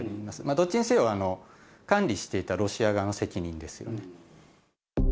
どっちにせよ、管理していたロシア側の責任ですよね。